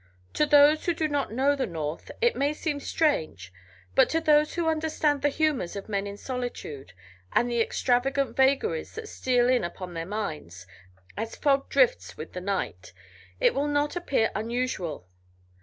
To those who do not know the North it may seem strange, but to those who understand the humors of men in solitude, and the extravagant vagaries that steal in upon their minds, as fog drifts with the night, it will not appear unusual.